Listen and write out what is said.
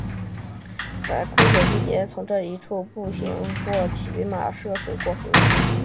在枯水季节人们可以很容易的从这一处步行或骑马涉水过河。